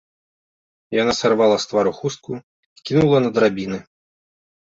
Яна сарвала з твару хустку, кінула на драбіны.